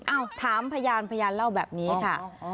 เอ้าถามพยานพยานเล่าแบบนี้ค่ะอ๋ออ๋ออ๋อ